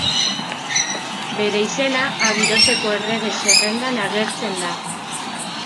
Bere izena, Abidoseko Errege Zerrendan agertzen da.